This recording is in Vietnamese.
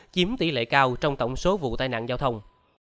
chiếm tỷ lệ cao trong tổng số vụ tai nạn giao thông